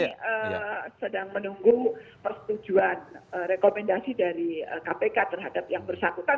kami sedang menunggu persetujuan rekomendasi dari kpk terhadap yang bersangkutan